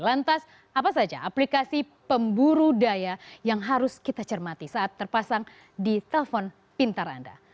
lantas apa saja aplikasi pemburu daya yang harus kita cermati saat terpasang di telpon pintar anda